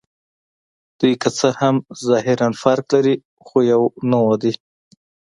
دوی که څه هم ظاهراً فرق لري، خو یوه نوعه دي.